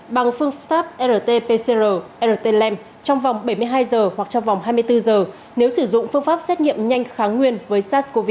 bằng phương pháp rt pcr rtlem trong vòng bảy mươi hai giờ hoặc trong vòng hai mươi bốn giờ nếu sử dụng phương pháp xét nghiệm nhanh kháng nguyên với sars cov hai